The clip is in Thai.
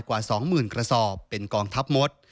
กว่า๒๐๐๐กระสอบเป็นกองทัพมด